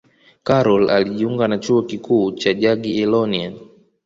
karol alijiunga na chuo kikuu cha jagiellonian